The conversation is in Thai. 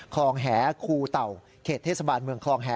คลองแหคูเต่าเขตเทศบาลเมืองคลองแห